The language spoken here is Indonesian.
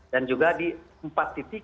dan juga di empat titik